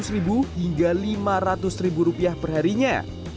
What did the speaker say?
empat ratus ribu hingga lima ratus ribu rupiah perharinya